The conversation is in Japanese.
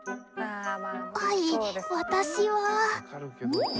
「はい私は」。